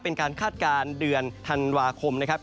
เป็นการคาดการณ์เดือนธันวาคมนะครับ